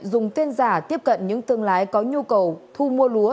dùng tên giả tiếp cận những thương lái có nhu cầu thu mua lúa